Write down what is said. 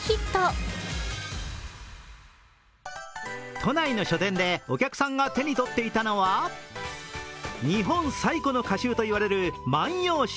都内の書店でお客さんが手に取っていたのは日本最古の歌集といわれる「万葉集」。